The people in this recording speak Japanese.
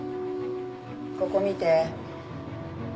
ここ見て。